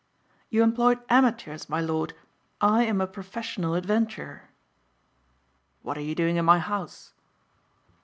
"You employed amateurs, my lord, I am a professional adventurer." "What are you doing in my house?"